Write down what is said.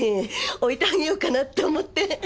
置いてあげようかなっと思って。